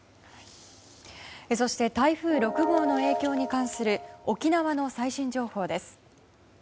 台風６号の影響に関する沖縄の最新情報です。